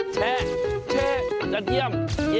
เช่จะเยี่ยม